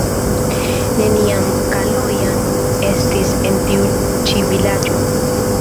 Neniam Kalojan estis en tiu ĉi vilaĝo.